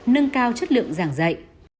nâng cao chất lượng giảng dạy